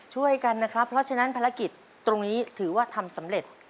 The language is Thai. ช่วยกันนะครับเพราะฉะนั้นภารกิจตรงนี้ถือว่าทำสำเร็จ